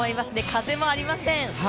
風もありません。